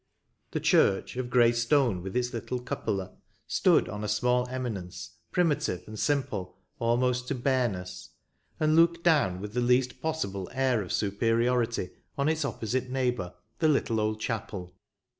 The church, of grey stone, with its little cupola, stood on a small emi nence, primitive and simple almost to bareness, and looked down with the least possible air 9 Lancashire Memories. of superiority on its opposite neighbour, the little old chapel.